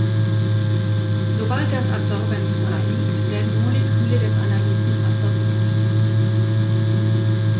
Sobald das Adsorbens freiliegt, werden Moleküle des Analyten adsorbiert.